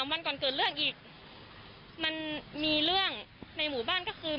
วันก่อนเกิดเรื่องอีกมันมีเรื่องในหมู่บ้านก็คือ